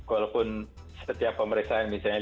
walaupun setiap pemeriksaan misalnya lima orang